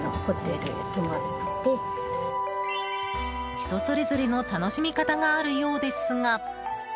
人それぞれの楽しみ方があるようですが。